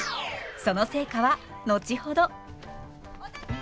その成果は後ほど。